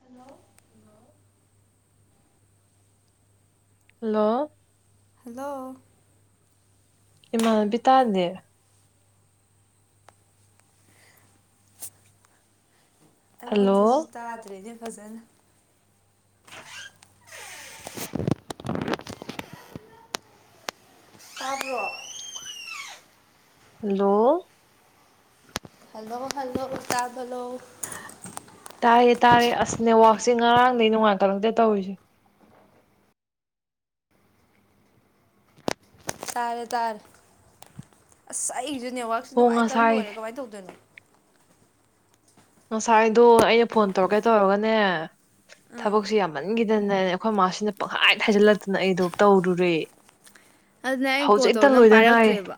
hello hello hello ꯏꯃꯥꯟꯅꯕꯤ ꯇꯥꯗꯦ hello ꯑꯩꯉꯣꯟꯗꯁꯨ ꯇꯥꯗ꯭ꯔꯦꯅꯦ ꯐꯖꯅ [unintelligible] ꯇꯥꯕ꯭ꯔꯣ ꯍꯜꯂꯣ ꯍꯜꯂꯣ ꯍꯜꯂꯣ ꯎꯇꯥ ꯇꯥꯌꯦ ꯇꯥꯔꯦ ꯑꯁꯅꯦ ꯋꯥꯛꯁꯦ ꯉꯔꯥꯡꯗꯒꯤꯩ ꯅꯅꯨꯡꯉꯥꯏꯈꯠꯂꯛꯇꯦ ꯇꯧꯔꯤꯁꯦ ꯇꯥꯔꯦ ꯇꯥꯔꯦ ꯑꯁ ꯑꯩꯒꯤꯁꯨ ꯅꯦꯠꯋꯥꯛꯁꯨ ꯍꯣ ꯅꯨꯡꯉꯥꯏꯇꯕ ꯉꯁꯥꯏ ꯂꯣꯏꯔꯦ ꯀꯃꯥꯏꯅ ꯇꯧꯗꯣꯏꯅꯣ ꯉꯁꯥꯏꯗꯣ ꯑꯩꯅ ꯐꯣꯟ ꯇꯧꯔꯒꯦ ꯇꯧꯔꯒꯅꯦ ꯊꯕꯛꯁꯦ ꯌꯥꯝꯃꯟꯈꯤꯗꯅ ꯑꯩꯈꯣꯏ ꯏꯃꯥꯁꯤꯅ ꯄꯪꯈꯥꯏ ꯍꯥꯏꯖꯤꯜꯂꯛꯇꯨꯅ ꯑꯩꯗꯣ ꯇꯧꯔꯨꯔꯦ ꯑꯗꯨꯅꯦ ꯑꯩꯅ ꯀꯣꯜ ꯍꯧꯖꯤꯛꯇ ꯇꯧꯕ ꯅꯪ ꯂꯣꯏꯗ ꯉꯥꯏꯔꯦ ꯄꯥꯏꯔꯛꯇ꯭ꯔꯦꯕ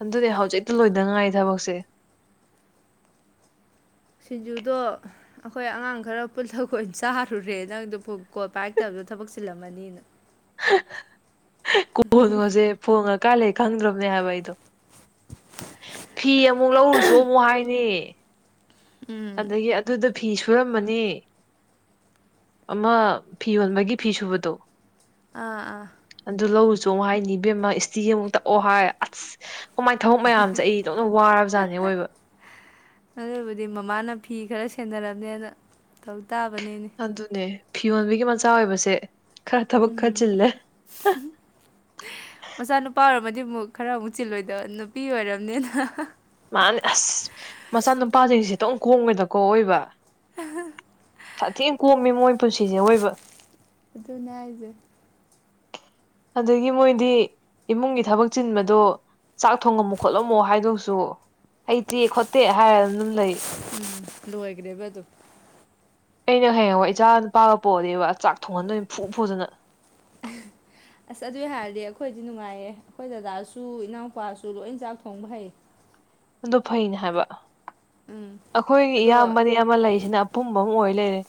ꯑꯗꯨꯟꯗꯤ ꯍꯧꯖꯤꯛꯇ ꯂꯣꯏꯗ ꯉꯥꯏ ꯊꯕꯛꯁꯦ ꯁꯤꯡꯖꯨꯗꯣ ꯑꯩꯈꯣꯏ ꯑꯉꯥꯡ ꯈꯔ ꯄꯨꯜꯊ ꯀ ꯑꯣꯏꯅ ꯆꯥꯔꯨꯔꯦ ꯅꯪꯗ ꯀꯣꯜ ꯄꯥꯏꯔꯛꯇꯕꯗꯣ ꯊꯕꯛ ꯊꯕꯛ ꯆꯤꯜꯂꯝꯃꯅꯤꯅ ꯀꯣꯟꯅꯣꯁꯦ ꯐꯣꯡꯉꯀꯥꯏ ꯂꯩ ꯈꯪꯗ꯭ꯔꯕꯅꯦ ꯍꯥꯏꯕ ꯑꯩꯗꯣ ꯐꯤ ꯑꯃꯨꯛ ꯂꯧꯔꯨꯁꯨ ꯑꯃꯨꯛ ꯍꯥꯏꯅꯤ ꯑꯗꯒꯤ ꯑꯗꯨꯗ ꯐꯤꯁꯨ ꯁꯨꯔꯝꯃꯅꯤ ꯑꯃ ꯐꯤ ꯌꯣꯟꯕꯒꯤ ꯐꯤ ꯁꯨꯕꯗꯣ ꯑꯥ ꯑꯥ ꯑꯗꯨ ꯂꯧꯔꯨ ꯆꯣꯡ ꯑꯃꯨꯛ ꯍꯥꯏꯅꯤꯕꯦꯝꯃ ꯏꯁꯇꯤꯒꯤ ꯑꯃꯨꯛ ꯇꯛ ꯑꯣ ꯍꯥꯏ ꯑꯁ ꯀꯃꯥꯏ ꯊꯕꯛ ꯃꯌꯥꯝꯁꯦ ꯑꯩ ꯇꯧꯅ ꯋꯥꯔꯕꯖꯥꯠꯅꯦ ꯑꯣꯏꯕ ꯑꯗꯨꯕꯨꯗꯤ ꯃꯃꯥꯅ ꯐꯤ ꯈꯔ ꯁꯦꯟꯅꯔꯝꯅꯦꯅ ꯇꯧ ꯇꯥꯕꯅꯤꯅꯦ ꯑꯗꯨꯅꯦ ꯐꯤꯌꯣꯟꯕꯤꯒꯤ ꯃꯆꯥ ꯑꯣꯏꯕꯁꯦ ꯈꯥꯊ ꯄꯨ ꯀ ꯎꯝ ꯆꯂꯦ ꯃ ꯑꯃꯨꯛ ꯈꯔ ꯑꯃꯨꯛ ꯆꯤꯜꯂꯣꯏꯗꯕ ꯅꯨꯄꯤ ꯑꯣꯏꯔꯕꯅꯤꯅ ꯃꯥꯅꯤ ꯑꯁ ꯃꯆꯥ ꯅꯨꯄꯥꯁꯤꯡꯁꯦ ꯇꯣꯛ ꯈꯣꯡꯉꯗꯀꯣ ꯑꯣꯏꯕ ꯁꯥꯊꯦꯡ ꯀꯣꯝꯃꯤ ꯃꯣꯏ ꯄꯨꯟꯁꯤꯁꯦ ꯑꯣꯏꯕ ꯅꯥꯏꯖꯔ ꯑꯗꯒꯤ ꯃꯣꯏꯗꯤ ꯏꯃꯨꯡꯒꯤ ꯊꯕꯛ ꯆꯤꯟꯕꯗꯣ ꯆꯥꯛ ꯊꯣꯡꯉꯝꯃꯨ ꯈꯣꯠꯂꯝꯃꯣ ꯍꯥꯏꯗꯧꯁꯨ ꯍꯩꯇꯦ ꯈꯣꯠꯇꯦ ꯍꯥꯏꯔꯅ ꯑꯗꯨꯝ ꯂꯩ ꯂꯦ ꯀꯅꯦꯦꯕꯗ ꯑꯩꯅ ꯍꯌꯦꯡꯕ ꯏꯆꯥ ꯅꯨꯄꯥꯒ ꯄꯣꯛꯑꯗꯤꯕ ꯆꯥꯛ ꯊꯣꯡꯍꯟꯗꯣꯏ ꯐꯨ ꯐꯨꯗꯅ ꯑꯁ ꯑꯗꯨ ꯑꯣꯏ ꯍꯥꯏꯔꯗꯤ ꯑꯩꯈꯣꯏꯗꯤ ꯅꯨꯡꯉꯥꯏꯌꯦ ꯑꯩꯈꯣꯏ ꯗꯗꯥꯗꯥꯁꯨ ꯏꯅꯥꯎꯄꯥꯁꯨ ꯂꯣꯏ ꯆꯥꯛ ꯊꯣꯡꯕ ꯍꯩ ꯑꯗꯨꯣ ꯐꯩꯅꯦ ꯍꯥꯏꯕ ꯎꯝ ꯑꯩꯈꯣꯏ ꯑꯗꯣ ꯏꯌꯥꯝꯕꯅꯤ ꯑꯃ ꯂꯩꯁꯤꯅ ꯑꯄꯨꯝꯕ ꯑꯃ ꯑꯣꯏ ꯦ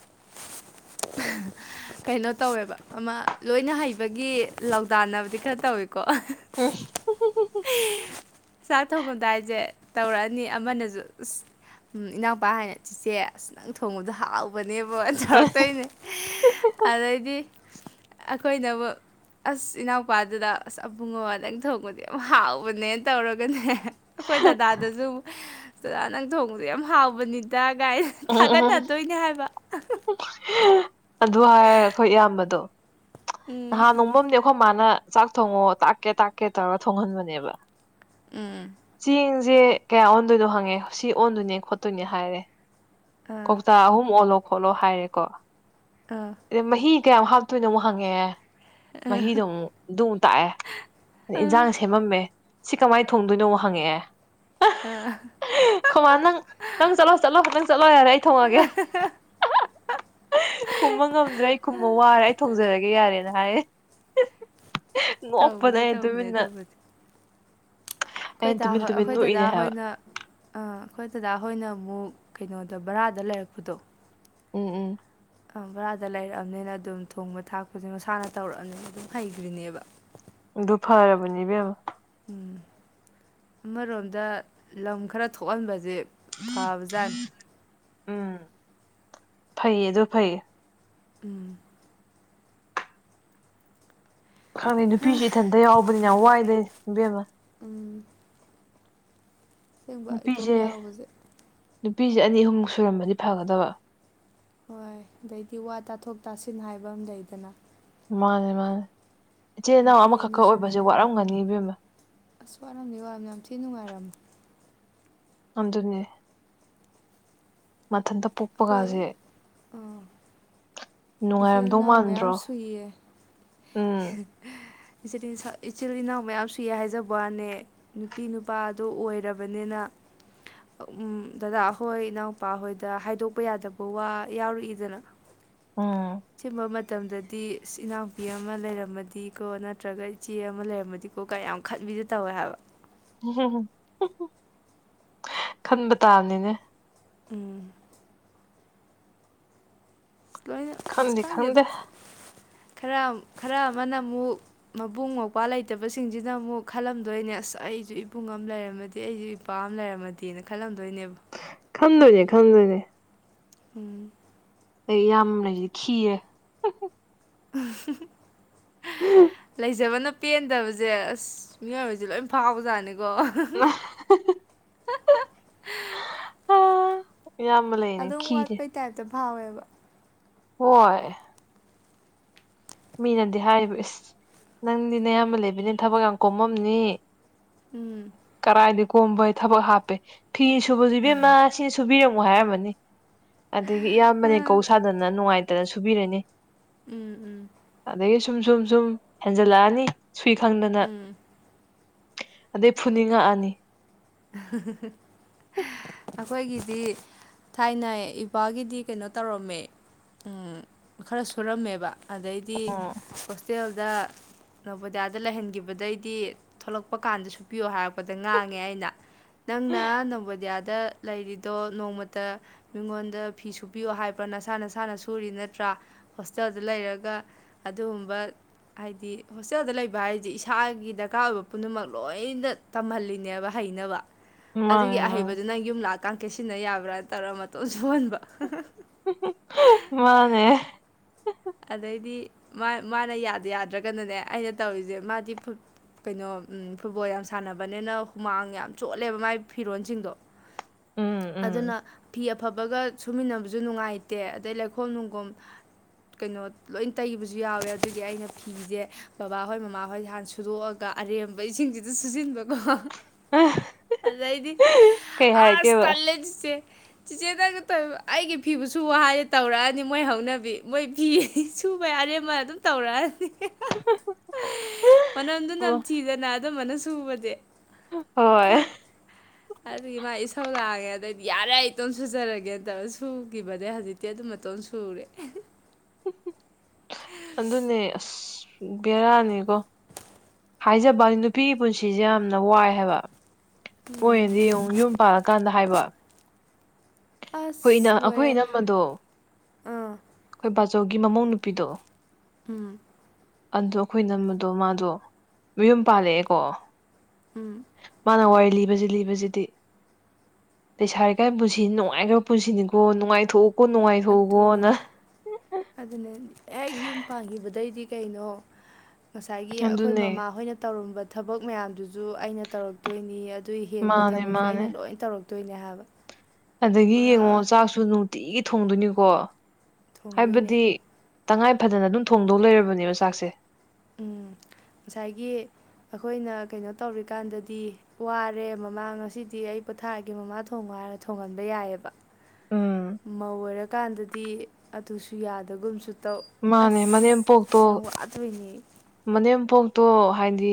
[unintelligible] ꯀꯩꯅꯣ ꯇꯧꯋꯦꯕ ꯑꯃ ꯂꯣꯏꯅ ꯍꯩꯕꯒꯤ ꯂ ꯂꯧꯗꯥꯟꯅꯕꯗꯤ ꯈꯔ ꯇꯧꯋꯦꯣ ꯀꯣ ꯆꯥꯛ ꯊꯣꯡꯉꯝꯗꯥꯏꯁꯦ ꯇꯧꯔꯛꯑꯅꯤ ꯑꯃꯅꯁꯨ ꯑꯁ ꯎ ꯏꯅꯥꯎꯄꯥ ꯍꯥꯏꯅ ꯆꯤꯆꯦ ꯑꯁ ꯅꯪ ꯊꯣꯡꯕꯗꯣ ꯍꯥꯎꯕꯅꯤ ꯅꯕꯨ ꯇꯧꯔꯛꯇꯣꯏꯅꯦ ꯑꯗꯩꯗꯤ ꯑꯩꯈꯣꯏꯅꯕꯨ ꯑꯁ ꯏꯅꯥꯎꯄꯥꯗꯨꯗ ꯑꯁ ꯑꯕꯨꯡꯉ ꯅꯪ ꯊꯣꯡꯕꯗꯤ ꯌꯥꯝ ꯍꯥꯎꯕꯅꯦꯅ ꯇꯧꯔꯒꯅꯦ ꯑꯩꯈꯣꯏ ꯗꯗꯥꯗꯥꯗꯁꯨ ꯆꯗꯥ ꯅꯪ ꯊꯣꯡꯕꯁꯦ ꯌꯥꯝ ꯍꯥꯎꯕꯅꯤꯗ ꯎꯝ ꯎꯝ ꯊꯥꯒꯠꯅꯗꯣꯏꯅꯦ ꯍꯥꯏꯕ ꯑꯗꯨ ꯍꯥꯏꯔꯒ ꯑꯩꯈꯣꯏ ꯏꯌꯥꯝꯕꯗꯣ ꯎꯝ ꯅꯍꯥꯟ ꯅꯣꯡꯃꯝꯗꯤ ꯑꯩꯈꯣꯏ ꯃꯥꯅ ꯆꯥꯛ ꯊꯣꯡꯉꯣ ꯇꯥꯛꯀꯦ ꯇꯥꯛꯀꯦ ꯇꯧꯔ ꯊꯣꯡꯍꯟꯕꯅꯦꯕ ꯎꯝ ꯁꯦ ꯀꯌꯥ ꯑꯣꯟꯗꯣꯏꯅꯣ ꯍꯪꯉꯦ ꯁꯤ ꯑꯣꯟꯗꯣꯏꯅꯦ ꯈꯣꯠꯇꯣꯏꯅꯦ ꯍꯥꯏꯔꯦ ꯑꯥ ꯀꯧꯇꯥ ꯑꯍꯨꯝ ꯑꯣꯟꯂꯣ ꯈꯣꯠꯂꯣ ꯍꯥꯏꯔꯦꯀꯣ ꯑꯥ ꯑꯗꯩ ꯃꯍꯤ ꯀꯌꯥꯝꯃꯨꯛ ꯍꯥꯞꯇꯣꯏꯅꯣ ꯑꯃꯨꯛ ꯍꯪꯉꯦ ꯃꯍꯤꯗꯣ ꯑꯃꯨꯛꯗꯨ ꯑꯃꯨꯛ ꯇꯥꯛꯑꯦ ꯑ ꯏꯟꯁꯥꯡ ꯁꯦꯝꯃꯝꯃꯦ ꯁꯤ ꯀꯃꯥꯏꯅ ꯊꯣꯡꯗꯣꯏꯅꯣ ꯍꯪꯉꯛꯑꯦ ꯑꯥ ꯀꯃꯥꯟ ꯅꯪ ꯅꯪ ꯆꯂꯣ ꯆꯂꯣ ꯅꯪ ꯇꯔ ꯏ ꯊꯣꯡꯑꯒꯦ ꯈꯨꯝꯕ ꯉꯝꯗ꯭ꯔꯦ ꯑꯩ ꯈꯨꯝꯕ ꯋꯥꯔꯦ ꯑꯩ ꯊꯣꯡꯖꯔꯒꯦ ꯌꯥꯔꯦ ꯅ ꯍꯥꯏ ꯉꯣꯛꯄꯅꯦ ꯇꯧꯕꯅꯦ ꯇꯧꯕꯅꯦ ꯇꯨꯃꯤꯟꯅ ꯑꯗꯨꯕꯨꯗꯤ ꯑꯩꯈꯣꯏ ꯑꯩꯅ ꯇꯨꯃꯤꯟ ꯇꯨꯃꯤꯟ ꯑꯩꯈꯣꯏ ꯅꯣꯛꯏꯅꯦ ꯗꯗꯥ ꯍꯥꯏꯕ ꯍꯣꯏꯅ ꯑꯩꯈꯣꯏ ꯗꯗꯥ ꯍꯣꯏꯅ ꯑꯃꯨꯛ ꯀꯩꯅꯣꯗ ꯕꯔꯥꯗ ꯂꯩꯔꯛꯄꯗꯣ ꯎꯝ ꯎꯝ ꯕꯔꯥꯗ ꯂꯩꯔꯛꯑꯕꯅꯤꯅ ꯑꯗꯨꯝ ꯊꯣꯡꯕ ꯊꯥꯛꯄꯁꯦ ꯃꯁꯥꯅ ꯇꯧꯔꯛꯑꯕꯅꯤꯅ ꯑꯗꯨꯝ ꯍꯩꯈ꯭ꯔꯤꯅꯦꯕ ꯑꯗꯨ ꯐꯔꯕꯅꯦ ꯏꯕꯦꯝ ꯎꯝ ꯑꯃꯔꯣꯝꯗ ꯂꯝ ꯈꯔ ꯊꯣꯛꯍꯟꯕꯁꯦ ꯐꯥꯥꯎꯖꯟ ꯎꯝ ꯐꯩꯌꯦ ꯑꯗꯨ ꯐꯩꯌꯦ ꯎꯝ ꯈꯪꯉꯦ ꯅꯨꯄꯤꯁꯨ ꯏꯊꯟꯇ ꯌꯥꯎꯕꯅꯤꯅ ꯌꯥꯝ ꯋꯥꯏ ꯂꯩꯦ ꯅꯨꯄꯤ ꯑꯃ ꯁꯦꯡꯕ ꯏꯇꯣꯝ ꯅꯨꯄꯤꯁꯦ ꯌꯥꯎꯕꯁꯦ ꯅꯨꯄꯤꯁꯦ ꯑꯅꯤ ꯑꯍꯨꯝꯨꯛ ꯁꯨꯔꯝꯕꯗꯤ ꯐꯒꯗꯕ ꯍꯣꯏ ꯑꯗꯩꯗꯤ ꯋꯥ ꯇꯥꯊꯣꯛ ꯇꯥꯁꯤꯟ ꯍꯥꯏꯕ ꯑꯃ ꯂꯩꯗꯅ ꯃꯥꯅꯦ ꯃꯥꯅꯦ ꯏꯆꯤꯜ ꯏꯅꯥꯎ ꯅꯨꯄꯤ ꯑꯃꯈꯛ ꯑꯅꯤ ꯈꯛ ꯑꯣꯏꯕꯁꯦ ꯁꯨꯔꯒꯅ ꯋꯥꯔꯝꯒꯅꯤ ꯏꯕꯦꯝꯅ ꯑꯁ ꯋꯥꯔꯝ ꯋꯥꯝ ꯌꯥꯝ ꯊꯤ ꯅꯨꯡꯉꯥꯏꯔꯝ ꯑꯗꯨꯅꯦ ꯃꯊꯟꯇ ꯄꯣꯛꯄꯒꯁꯦ ꯏꯆꯦ ꯅꯨꯡꯉꯥꯏꯔꯝꯗꯧ ꯏꯅꯥꯎ ꯃꯌꯥꯝ ꯃꯥꯟꯗ꯭ꯔꯣ ꯁꯨꯏꯌꯦ ꯎꯝ ꯆ ꯏꯆꯤꯜ ꯏꯅꯥꯎ ꯃꯌꯥꯝ ꯁꯨꯏ ꯍꯥꯏꯖꯕ ꯋꯥꯅꯦ ꯅꯨꯄꯤ ꯅꯨꯄꯥꯗ ꯑꯣꯏꯔꯕꯅꯤꯅ ꯎꯝ ꯗꯗꯥ ꯑꯩꯍꯣꯏ ꯏꯅꯥꯎꯨꯄꯥ ꯍꯣꯏꯗ ꯍꯥꯏ ꯊꯗꯣꯛꯄ ꯌꯥꯗꯕ ꯋꯥ ꯌꯥꯎꯔꯛꯏꯗꯅ ꯎꯝ ꯆꯃ ꯃ ꯃꯇꯝꯗꯗꯤ ꯏꯅꯥꯎꯄꯤ ꯑꯃ ꯂꯩꯔꯝꯃꯗꯤꯀꯣ ꯅꯠꯇ꯭ꯔꯒ ꯏꯆꯦ ꯑꯃ ꯂꯩꯔꯝꯃꯗꯤꯀꯣ ꯀ ꯌꯥꯝ ꯈꯟꯃꯤ ꯕꯤꯗꯤ ꯇꯧꯋꯦ ꯍꯥꯏꯕ ꯈꯟꯕ ꯇꯥꯕꯅꯤꯅꯦ ꯎꯝ ꯂꯣꯏꯅ ꯏ ꯈꯟꯗꯤ ꯀꯗ ꯈꯟꯗꯦ ꯈꯔ ꯈꯔ ꯑꯃꯅ ꯑꯃꯨꯛ ꯃꯕꯨꯡ ꯃꯧꯄ꯭ꯋꯥ ꯂꯩꯇꯕꯁꯤꯡꯁꯤꯅ ꯑꯃꯨꯛ ꯈꯜꯂꯝꯗꯣꯏꯅꯦ ꯑꯁ ꯑꯩꯁꯨ ꯏꯄꯨꯡ ꯑꯃ ꯂꯩꯔꯝꯃꯗꯤꯦ ꯑꯩꯁꯨ ꯏꯄꯥ ꯑꯃ ꯂꯩꯔꯝꯃꯗꯦꯅ ꯈꯜꯂꯝꯗꯣꯏꯅꯦꯕ ꯈꯪꯗꯣꯏꯁꯦ ꯈꯪꯗꯣꯏꯁꯦ ꯎꯝ ꯑꯩ ꯌꯥꯝꯅꯁꯤ ꯈꯤꯌꯦꯦ ꯂꯩꯖꯕꯅ ꯄꯦꯟꯗꯕꯁꯦ ꯑꯁ ꯃꯤꯑꯣꯏꯕꯁꯦ ꯂꯣꯏ ꯐꯥꯎꯕꯖꯥꯠꯅꯤ ꯑ ꯑꯥ, ꯏꯌꯥꯝꯕ ꯂꯩꯅꯦ ꯑꯗꯨꯝ ꯋꯥꯠꯄꯩ ꯇꯥꯏꯞꯇ ꯐꯥꯎꯋꯦꯕ ꯍꯣꯏꯣꯏ ꯃꯤꯅꯗꯤ ꯍꯥꯏꯔꯤꯕ ꯏꯁꯁ ꯅꯪꯗꯤ ꯅꯌꯥꯝꯕ ꯂꯩꯕꯅꯤꯅ ꯊꯕꯛ ꯌꯥꯝ ꯀꯣꯝꯃꯝꯅꯤ ꯎꯝ ꯀꯔꯥꯏꯗꯩ ꯀꯣꯝꯕꯩ ꯊꯕꯛ ꯍꯥꯞꯄꯦ ꯐꯤ ꯁꯨꯕꯗꯨ ꯏꯕꯦꯝꯃ ꯁꯤ ꯁꯨꯕꯤꯔꯝ ꯍꯥꯏꯔꯝꯃꯅꯤ ꯑꯗꯒꯤ ꯏꯌꯥꯝꯕꯅ ꯀꯧ ꯑ ꯁꯥꯗꯅ ꯅꯨꯡꯉꯥꯏꯇꯅ ꯁꯨꯕꯤꯔꯅꯤ ꯎꯝ ꯎꯝ ꯑꯗꯒꯤ ꯁꯨꯝ ꯁꯨꯝ ꯁꯨꯝ ꯍꯦꯟꯖꯜꯂꯛꯑꯅꯤ ꯁꯨꯏ ꯈꯪꯗꯅ ꯎꯝ ꯑꯗꯩ ꯐꯨꯅꯤꯡꯉꯛꯑꯅꯤ [inaudible] ꯑꯩꯈꯣꯏꯒꯤꯗꯤ ꯊꯥꯏꯅ ꯏꯄꯥꯒꯤꯗꯤ ꯀꯩꯅꯣ ꯇꯧꯔꯝꯃꯦ ꯈꯔ ꯁꯨꯔꯝꯃꯦꯕ ꯑꯗꯩꯗꯤ ꯍꯣꯁꯇꯦꯜꯗ ꯅꯧꯄꯣꯗꯤꯌꯥꯗ ꯂꯩꯍꯟꯈꯤꯕꯗꯩꯗꯤ ꯊꯣꯛꯂꯛꯄ ꯀꯥꯟꯗ ꯁꯨꯄꯤꯌꯣ ꯍꯥꯏꯔꯛꯄꯗ ꯉꯥꯡꯉꯦ ꯑꯩꯅ ꯅꯪꯅ ꯅꯕꯣꯗꯤꯌꯥꯗ ꯗ ꯂꯩꯔꯤꯗꯣ ꯅꯣꯡꯃꯇ ꯃꯤꯉꯣꯟꯗ ꯐꯤ ꯁꯨꯕꯤꯌꯣ ꯍꯥꯏꯕ꯭ꯔꯥ ꯅꯁꯥ ꯅꯁꯥꯅ ꯁꯨꯔꯤ ꯅꯠꯇ꯭ꯔꯥ ꯍꯣꯁꯇꯦꯜꯗ ꯂꯩꯔꯒ ꯑꯗꯨꯒꯨꯝꯕ ꯍꯥꯏꯗꯤ ꯍꯣꯁꯇꯦꯜꯗ ꯂꯩꯕ ꯍꯥꯏꯗꯤ ꯏꯁꯥꯒꯤ ꯗꯔꯀꯥꯔ ꯑꯣꯏꯕ ꯄꯨꯝꯅꯃꯛ ꯂꯣꯏꯅ ꯇꯝꯍꯜꯂꯤꯅꯦꯕ ꯍꯩꯅꯕ ꯑꯗꯨꯒꯤ ꯃꯥꯅꯦ ꯃꯥꯅꯦ ꯑꯍꯩꯕꯗꯨ ꯅꯪ ꯌꯨꯝ ꯂꯥꯛꯀ ꯀꯩꯠ ꯁꯤꯟꯅ ꯌꯥꯕ꯭ꯔꯥ ꯇꯧꯔꯒ ꯃꯇꯣꯟ ꯁꯍꯣꯟꯕ ꯃꯥꯅꯦ ꯑꯗꯩꯗꯤ ꯃꯥꯅ ꯌꯥꯗ ꯌꯥꯗ꯭ꯔꯒꯅꯅꯦ ꯑꯩꯅ ꯇꯧꯔꯤꯁꯦ ꯃꯥꯗꯤ ꯀꯩꯅꯣ ꯐꯨꯠꯕꯣꯜ ꯌꯥꯝ ꯁꯥꯟꯅꯕꯅꯤꯅ ꯍꯨꯃꯥꯡ ꯌꯥꯝ ꯆꯣꯠꯂꯦꯕ ꯃꯥꯏ ꯐꯤꯔꯣꯁꯤꯡꯗꯣ ꯎꯝ ꯎꯝ ꯑꯗꯨ ꯑꯗꯨꯅ ꯐꯤ ꯑꯐꯕꯒ ꯁꯨꯃꯤꯟꯅꯕꯁꯨ ꯅꯨꯡꯉꯥꯏꯇꯦ ꯑꯗꯩ ꯂꯩꯈꯣꯝ ꯅꯨꯡꯈꯣꯝ ꯀꯩꯅꯣ ꯂꯣꯏ ꯇꯩꯕꯁꯨ ꯌꯥꯎꯋꯦ ꯑꯗꯨꯒꯤ ꯑꯩꯅ ꯐꯤꯁꯦ ꯕꯕꯥꯍꯣꯏ ꯃꯃꯥꯍꯣꯏ ꯍꯥꯟ ꯁꯨꯔꯣꯛꯑꯒ ꯑꯔꯦꯝꯕ ꯏꯁꯤꯡꯁꯤꯗ ꯁꯨꯖꯤꯟꯕꯀꯣ ꯑꯗꯗꯤ ꯀꯩ ꯑꯁ ꯍꯥꯏꯔꯛꯀꯦꯕ ꯇꯂꯦ ꯆꯁꯦ ꯆꯤꯆꯦꯗ ꯑꯩꯒꯤ ꯐꯤꯕꯨꯁꯨ ꯋꯥꯗꯤ ꯇꯧꯔꯛꯑꯅꯤ ꯃꯣꯏ ꯍꯧꯅꯕꯤ ꯃꯣꯏ ꯐꯤ ꯁꯨꯕ ꯌꯥꯔꯦ ꯑꯃ ꯑꯗꯨꯝ ꯇꯧꯔꯛꯑꯅꯤ [inaudible] ꯃꯅꯝꯗꯨ ꯅꯝ ꯆꯤꯗꯅ ꯑꯗꯨꯝꯕꯅ ꯁꯨꯕꯗꯤ ꯍꯣꯏ ꯑ ꯏꯃ ꯁꯧ ꯂꯥꯛꯑꯒꯦ ꯑꯗꯩꯗꯤ ꯌꯥꯔꯦ ꯑꯩ ꯏꯇꯣꯟꯝ ꯁꯨꯖꯔꯒꯦꯅ ꯇꯧ ꯁꯨꯈꯤꯕꯗꯩ ꯍꯧꯖꯤꯛꯇꯤ ꯑꯗꯨ ꯃꯇꯇꯣꯟ ꯁꯨꯔꯦ ꯑꯗꯨꯅꯦ ꯑꯁ ꯕꯦꯔꯥꯅꯤꯀꯣ ꯍꯥꯏꯖꯕꯅꯤ ꯅꯨꯄꯤꯒꯤ ꯄꯨꯟꯁꯤꯁꯦ ꯌꯥꯝꯅ ꯋꯥꯏ ꯍꯥꯏꯕ ꯃꯣꯏꯗꯤ ꯌꯦꯡꯉ ꯌꯨꯝ ꯄꯥꯜꯂꯀꯥꯟꯗ ꯍꯥꯏꯕ ꯑꯩꯈꯣꯏ ꯏ ꯑꯁ ꯑꯩꯈꯣꯏ ꯂꯣꯏꯔꯦ ꯏꯅꯝꯃꯗꯣ ꯑꯥ ꯑꯩꯈꯣꯏ ꯕꯥꯖꯧꯒꯤ ꯃꯃꯧ ꯅꯨꯄꯤꯗꯣ ꯎꯝ ꯑꯗꯣ ꯑꯩꯈꯣꯏ ꯅꯝꯕꯗꯣ ꯃꯥꯗꯣ ꯃꯌꯨꯝ ꯄꯥꯜꯂꯛꯑꯦꯀꯣ ꯎꯝ ꯃꯥꯅ ꯋꯥꯏꯂꯤ ꯂꯤ ꯂꯤꯕꯁꯤꯗꯤ ꯂꯩꯁꯥꯔꯤꯀꯥꯏ ꯄꯨꯟꯁꯤ ꯅꯨꯡꯉꯥꯏꯈ꯭ꯔꯕ ꯄꯨꯟꯁꯤꯅꯤꯀꯣ ꯅꯨꯡꯉꯥꯏꯊꯣꯛꯎ ꯀ ꯅꯨꯡꯉꯥꯏꯊꯣꯛꯎꯈꯣꯅ ꯑꯗꯨꯅꯦ ꯑꯦ ꯌꯨꯝ ꯄꯥꯟꯈꯤꯕꯗꯩꯗꯤ ꯀꯩꯅꯣ ꯉꯁꯥꯏꯒꯤ ꯑꯩꯈꯣꯏ ꯑꯗꯨꯅꯦ ꯃꯃꯥꯍꯣꯏꯅ ꯇꯧꯔꯝꯕ ꯊꯕꯛ ꯃꯌꯥꯝꯗꯨꯁꯨ ꯑꯩꯅ ꯇꯧꯔꯛꯇꯣꯏꯅꯤ ꯑꯗꯨ ꯍꯦꯟꯕ ꯃꯥꯅꯦ ꯊꯕꯛꯁꯨ ꯃꯥꯅꯦ ꯑꯩꯅ ꯂꯣꯏ ꯇꯧꯔꯛꯇꯣꯏꯅꯦ ꯍꯥꯏꯕ ꯑꯗꯒꯤ ꯌꯦꯡꯉꯣ ꯄꯨꯔꯥ ꯆꯥꯛꯁꯨ ꯅꯨꯡꯇꯤꯒꯤ ꯊꯣꯡꯗꯣꯏꯅꯤꯀꯣ ꯊꯣꯡꯕꯣꯏꯅꯦ ꯍꯥꯏꯕꯗꯤ ꯇꯉꯥꯏ ꯐꯗꯅ ꯑꯗꯨꯝ ꯊꯣꯡꯗꯧ ꯂꯩꯔꯕꯅꯦꯕ ꯆꯥꯛꯁꯦ ꯎꯝ ꯉꯁꯥꯏꯒꯤ ꯑꯩꯈꯣꯏꯅ ꯀꯩꯅꯣ ꯇꯧꯔꯤꯀꯥꯟꯗꯗꯤ ꯋꯥꯔꯦ ꯃꯃꯥ ꯉꯁꯤꯗꯤ ꯑꯩ ꯄꯣꯊꯥꯒꯦ ꯃꯃꯥ ꯊꯣꯡꯕ ꯍꯥꯏꯔ ꯊꯣꯡꯍꯟꯕ ꯌꯥꯏꯑꯕ ꯎꯝ ꯃꯧ ꯑꯣꯏꯔꯀꯥꯟꯗꯗꯤ ꯑꯗꯨꯁꯨ ꯌꯥꯗꯒꯨꯝꯁꯨ ꯇꯧ ꯃꯥꯅꯦ ꯃꯅꯦꯝꯄꯣꯛꯇꯣ ꯑꯁ ꯌꯥꯝ ꯋꯥꯗꯣꯏꯅꯦ ꯃꯅꯦꯝꯄꯣꯛꯇꯣ ꯍꯥꯏꯗꯤ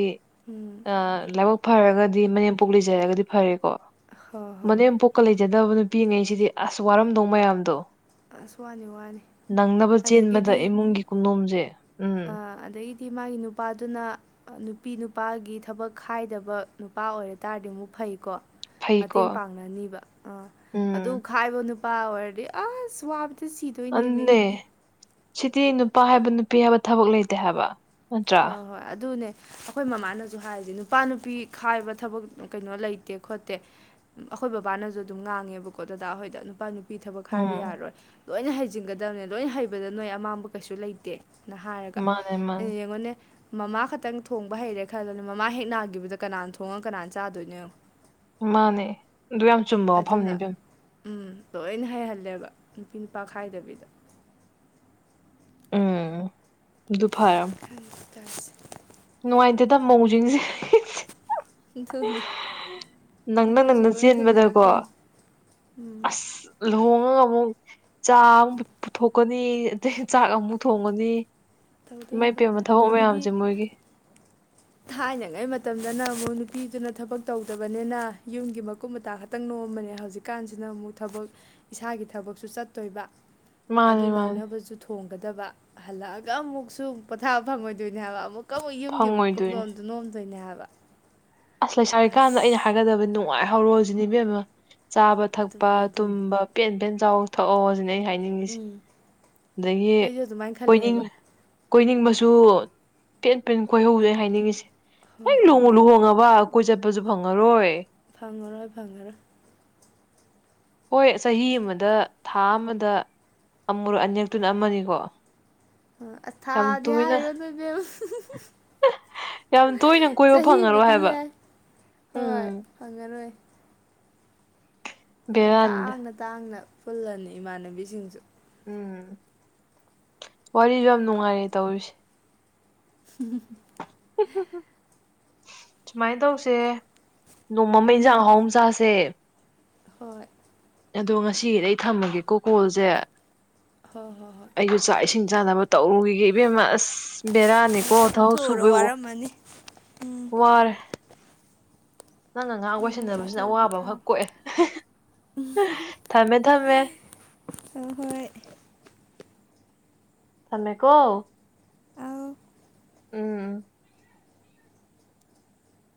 ꯎꯝ ꯑ ꯂꯥꯏꯕꯛ ꯐꯔꯒꯗꯤ ꯃꯅꯦꯝꯄꯣꯛ ꯂꯩꯖꯔꯒꯗꯤ ꯐꯔꯦꯀꯣ ꯍꯣꯏ ꯍꯣꯏ ꯃꯅꯦꯝ ꯍꯣꯏ ꯄꯣꯛꯀ ꯂꯩꯖꯗꯕ ꯅꯨꯄꯤꯉꯩꯁꯤꯗꯤ ꯑꯁ ꯋꯥꯔꯝꯗꯧ ꯃꯌꯥꯝꯗꯣ ꯑꯁ ꯋꯥꯅꯤ ꯋꯥꯅꯤ ꯑꯗꯒꯤ ꯑꯗ ꯏꯃꯨꯡꯒꯤ ꯀꯨꯗꯣꯝꯁꯦ ꯎꯝ ꯗꯤ ꯃꯥꯒꯤ ꯅꯨꯄꯥꯗꯨꯅ ꯅꯨꯄꯤ ꯅꯨꯄꯥꯒꯤ ꯊꯕꯛ ꯈꯥꯏꯗꯕ ꯅꯨꯄꯥ ꯑꯣꯏꯔ ꯇꯥꯔꯗꯤ ꯑꯃꯨꯛ ꯐꯩꯀꯣ ꯐꯩꯀꯣ ꯃꯇꯦꯡ ꯄꯥꯡꯅꯅꯤꯕ ꯑꯥ ꯑꯗꯨ ꯎꯝ ꯎ ꯈꯥꯏꯕ ꯅꯨꯄꯥ ꯑꯣꯏꯔꯗꯤ ꯑꯁ ꯋꯥꯕ ꯑꯗꯨꯅꯦ ꯁꯤꯇꯤ ꯅꯨꯄꯥ ꯍꯥꯏꯕ ꯅꯨꯄꯤ ꯍꯥꯏꯕ ꯊꯕꯛ ꯂꯩꯇꯦ ꯍꯥꯏꯕ ꯅꯠꯇ꯭ꯔꯥ ꯍ ꯍꯣ ꯑꯗꯨ ꯑꯗꯨꯅꯦ ꯑꯩꯈꯣꯏ ꯃꯃꯥꯅꯁꯨ ꯍꯥꯏꯔꯤꯁꯦ ꯅꯨꯄꯥ ꯅꯨꯄꯤ ꯈꯥꯏꯕ ꯊꯕꯛ ꯀꯩꯅꯣ ꯂꯩꯇꯦ ꯈꯣꯠꯇꯦ ꯑꯩꯈꯣꯏ ꯕꯕꯥꯅꯁꯨ ꯑꯗꯨꯝ ꯉꯥꯡꯉꯦꯕꯀꯣ ꯗꯗꯥ ꯑꯩꯈꯣꯏꯗ ꯅꯨꯄꯥ ꯅꯨꯄꯤ ꯄꯤ ꯊꯕꯛ ꯍꯥꯏꯕ ꯎꯝ ꯌꯥꯔꯣꯏ ꯂꯣꯏꯅ ꯍꯩꯖꯤꯟꯒꯗꯕꯅꯦ ꯂꯣꯏꯅ ꯍꯩꯕꯗ ꯅꯣꯏ ꯑꯃꯥꯡꯕ ꯀꯩꯁꯨ ꯂꯩꯇꯦ ꯅ ꯍꯥꯏꯔꯒ ꯃꯥꯅꯦ ꯃꯥꯅꯦ ꯑꯩꯅ ꯅꯦ ꯃꯃꯥ ꯈꯛꯇꯪ ꯊꯣꯡꯕ ꯍꯩꯔꯦ ꯈꯔꯗꯅꯦ ꯃꯃꯥ ꯍꯦꯛ ꯅꯥꯈꯤꯕꯗ ꯀꯅꯥꯅ ꯊꯣꯡꯉ ꯀꯅꯥꯅ ꯆꯥꯗꯣꯏꯅꯦꯣ ꯃꯥꯅꯦ ꯑꯗꯨ ꯌꯥꯝ ꯆꯨꯝꯕ ꯑꯗꯨꯅ ꯋꯥꯐꯝꯅꯤꯕꯦꯝ ꯎꯝ ꯂꯣꯏꯅ ꯍꯩꯍꯜꯂꯦꯕ ꯅꯨꯄꯤ ꯅꯨꯄꯥ ꯈꯥꯏꯗꯕꯤꯗ ꯎꯝ ꯐꯔ ꯊꯁ [unintelligible] [inaudible] ꯅꯨꯡꯉꯥꯏꯇꯦꯗ ꯃꯧꯁꯤꯡꯁꯦ ꯊꯣꯅꯤ ꯅꯪꯅ ꯅꯪꯅ ꯆꯦꯟꯕꯗꯀꯣ ꯎꯝ ꯑꯁ ꯂ ꯊꯣꯡꯉꯒ ꯑꯃꯨꯛ ꯆꯥ ꯑꯃꯨꯛ ꯄꯨꯊꯣꯛꯀꯅꯤ ꯑꯗꯒꯤ ꯆꯥꯛ ꯑꯃꯨꯛ ꯊꯣꯡꯒꯅꯤ ꯧ ꯇꯣꯏꯅ ꯏꯃꯥꯏ ꯇꯉ ꯄꯦꯝꯃ ꯊꯕꯛ ꯑꯗꯒꯤꯗꯤ ꯃꯌꯥꯝꯁꯦ ꯃꯣꯏꯒꯤ ꯊꯥꯏꯅꯉꯩ ꯃꯇꯝ ꯑꯗꯨꯅ ꯑꯃꯨꯛ ꯅꯨꯄꯤꯗꯨꯅ ꯊꯕꯛ ꯇꯧꯗꯕꯅꯤꯅ ꯌꯨꯝꯒꯤ ꯃꯀꯨꯞ ꯃꯇꯥ ꯈꯛꯇꯪ ꯅꯣꯝꯕꯅꯦ ꯍꯧꯖꯤꯛꯀꯥꯟꯁꯤꯅ ꯑꯃꯨꯛ ꯑꯃꯨꯛ ꯊꯕꯛ ꯏꯁꯥꯒꯤ ꯊꯕꯛꯁꯨ ꯆꯠꯇꯣꯏꯕ ꯑꯗꯨ ꯃꯥꯅꯦ ꯃꯥꯅꯦ ꯅꯪꯅꯕꯁꯨ ꯊꯣꯡꯒꯗꯕ ꯍꯜꯂꯛꯑꯒ ꯑꯃꯨꯛꯁꯨ ꯄꯣꯊꯥꯕ ꯐꯪꯉꯣꯏꯗꯣꯏꯅꯦ ꯍꯥꯏꯕ ꯑꯃꯨꯛꯀ ꯑꯃꯨꯛ ꯌꯨꯝꯒꯤ ꯑꯃꯨꯛ ꯐꯪꯉꯣꯏꯗꯣꯏꯅꯦ ꯀꯨꯞꯂꯣꯝꯗꯨ ꯅꯣꯝꯗꯣꯏꯅꯦ ꯍꯥꯏꯕ ꯑ [unintelligible] [inaudible] ꯑꯁ ꯂꯩꯁꯥꯔꯤꯀꯥꯟꯗ ꯑꯩꯅ ꯍꯥꯏꯒꯗꯕꯅꯤ ꯅꯨꯡꯉꯥꯏꯍꯧꯔꯣꯖꯤꯅꯦꯕꯦꯝ ꯑꯃ ꯆꯥꯕ ꯊꯛꯄ ꯑꯗꯨꯅꯦ ꯑꯗꯨꯅꯦ ꯇꯨꯝꯕ ꯄꯦꯟ ꯄꯦꯟ ꯆꯥꯎ ꯊꯛꯑꯣ ꯁꯤꯅ ꯑꯩ ꯍꯥꯏꯅꯤꯡꯉꯁꯤ ꯎꯝ ꯑꯗꯒꯤ ꯑꯩꯁꯨ ꯑꯗꯨꯃꯥꯏꯅ ꯀꯣꯏꯅꯤꯡ ꯈꯜꯂꯛꯑꯦꯕ ꯀꯣꯏꯅꯤꯡ ꯃꯨ ꯄꯦꯟ ꯄꯦꯟ ꯀꯣꯏꯍꯧꯗ ꯍꯥꯏꯅꯤꯡꯉꯤꯁꯦ ꯍ ꯍꯣꯏ ꯍꯣꯏ ꯂꯨꯉꯨ ꯍꯣꯏ ꯂꯨꯍꯣꯡꯉꯕ ꯀꯣꯏ ꯆꯠꯄꯁꯨ ꯐꯪꯉꯔꯣꯏ ꯐꯪꯉꯔꯣꯏ ꯐꯪꯉꯔꯣꯏ ꯍꯣꯏ ꯆꯍꯤ ꯑꯃꯗ ꯊꯥ ꯑꯃꯗ ꯑꯃꯨꯔꯣ ꯑꯅꯦꯛꯇꯨꯅ ꯑꯃꯅꯤꯀꯣ ꯑ ꯌꯥꯝ ꯑꯊꯥꯗꯤ ꯇꯣꯏꯅ ꯍꯥꯏꯔꯣꯏꯗꯣꯏꯕꯨ ꯌꯥꯝ ꯇꯣꯏꯅ ꯀꯣꯏꯕ ꯐꯪꯉꯔꯣꯏ ꯍꯥꯏꯕ ꯌꯥꯏ ꯍꯣꯏ ꯎꯝ ꯐꯪꯉꯔꯣꯏ ꯌꯥꯝ ꯕꯦꯔꯥꯅꯤꯗ ꯇꯥꯡꯅ ꯇꯥꯡꯅ ꯄꯨꯜꯂꯅꯤ ꯏꯃꯥꯟꯅꯕꯤꯁꯤꯡꯁꯨ ꯎꯝ ꯋꯥꯔꯤꯁꯨ ꯌꯥꯝ ꯅꯨꯡꯉꯥꯏꯔꯦ ꯇꯧꯔꯤꯁꯦ ꯎꯝ [unintelligible] [inaudible] ꯁꯨꯃꯥꯏꯅ ꯇꯧꯁꯦ ꯅꯣꯡꯃꯃ ꯎꯝ ꯏꯟꯖꯥꯡ ꯑꯍꯥꯎ ꯃ ꯆꯥꯁꯦ ꯍꯣꯏ [inaudible] ꯑꯗꯣ ꯉꯁꯤ ꯑꯩ ꯊꯝꯃꯒꯦ ꯀꯣꯀꯣꯜꯁꯦ ꯍꯣꯏ ꯍꯣꯏ ꯍꯣꯏ ꯆꯥꯗꯅꯕ ꯇꯧꯔꯨꯈꯤꯒ ꯏꯕꯦꯝꯃ ꯑꯁ ꯕꯔꯥꯅꯤ ꯀꯣ ꯊꯥꯎ ꯆꯥꯊꯣꯛꯎꯔꯣ ꯁꯨꯕꯣ ꯋꯥꯔꯝꯃꯅꯤ ꯎꯝ ꯋꯥꯔꯦ ꯅꯪ ꯉꯍ ꯍꯣꯏ ꯍꯣꯏ ꯑꯣꯏꯣꯏꯁꯟꯅꯗꯕꯁꯤꯅ ꯑꯋꯥꯕꯈꯛ ꯀꯣꯛꯑꯦ ꯊꯝꯃꯦ ꯊꯝꯃꯦ ꯑ ꯍꯣꯏ ꯊꯝꯃꯦꯀꯣ ꯑꯧ ꯎꯝ